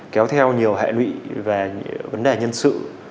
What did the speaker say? kéo theo nhiều hệ lụy về vấn đề nhân sự